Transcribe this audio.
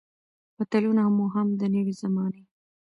متلونه مو هم د نوې زمانې